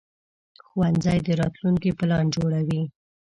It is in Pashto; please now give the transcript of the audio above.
ښوونځی د راتلونکي پلان جوړوي